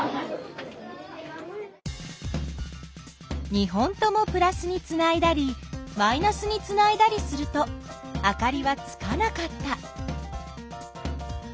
２本ともプラスにつないだりマイナスにつないだりするとあかりはつかなかった。